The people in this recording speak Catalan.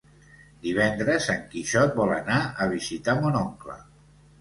Divendres en Quixot vol anar a visitar mon oncle.